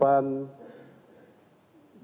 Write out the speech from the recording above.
sebagai sebuah kekuatan